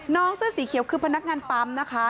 เสื้อสีเขียวคือพนักงานปั๊มนะคะ